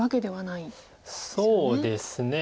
そうですね。